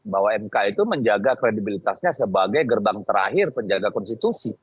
bahwa mk itu menjaga kredibilitasnya sebagai gerbang terakhir penjaga konstitusi